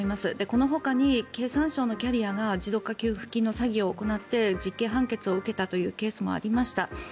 このほかに経産省のキャリアが持続化給付金の詐欺を行って実刑判決を受けたケースもありました。